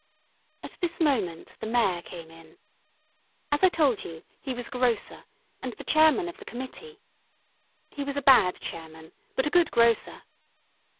'" At this moment the Mayor came in. As I told you, he was a grocer, and the Chairman of the committee. He was a bad Chairman, but a good grocer.